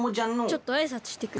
ちょっとあいさつしてくる。